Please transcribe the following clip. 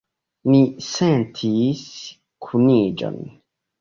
Ni sentis kuniĝon.